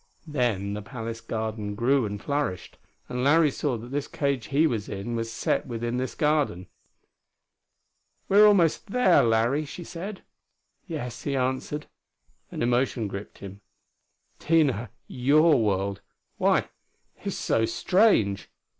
Then the palace garden grew and flourished, and Larry saw that this cage he was in was set within this garden. "We are almost there, Larry," she said. "Yes," he answered. An emotion gripped him. "Tina, your world why it's so strange!